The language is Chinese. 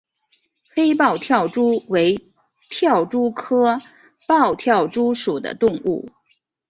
黑豹跳蛛为跳蛛科豹跳蛛属的动物。